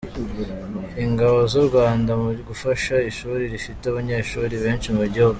Ingabo z’u Rwanda mu gufasha ishuri rifite abanyeshuri benshi mu gihugu .